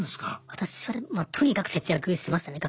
私はとにかく節約してましたね